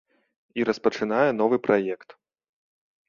І распачынае новы праект.